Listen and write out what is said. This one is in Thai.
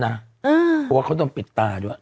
เพราะว่าเขาโดนปิดตาด้วย